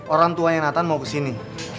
orang tuanya nathan mau kesini